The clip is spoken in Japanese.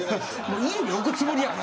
家に置くつもりやから。